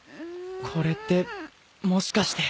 これってもしかして